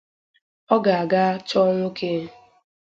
ọ ga-aga chọọ nwoke